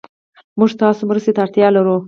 موږ تاسو مرستې ته اړتيا لرو